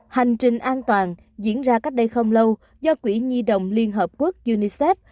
hành trình an toàn diễn ra cách đây không lâu do quỹ nhi đồng liên hợp quốc unicef